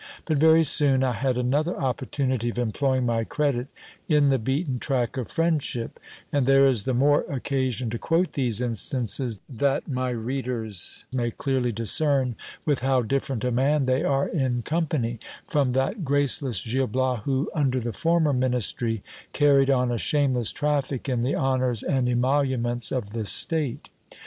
But very soon I had another opportunity of em ploying my credit in the beaten track of friendship ; and there is the more oc casion to quote these instances, that my readers may clearly discern with how different a man they are in company, from that graceless Gil Bias who, under j the former ministry, carried on a shameless traffic in the honours and emolu ments of the state.